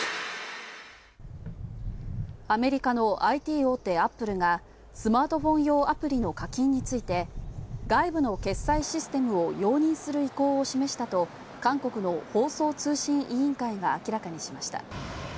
アメリカのＩＴ大手・アップルがアプリの課金について、外部決済システムを容認する意向を示したと、韓国の放送通信委員会が明らかにしました。